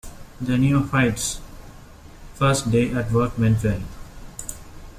The neophyte's first day at work went well.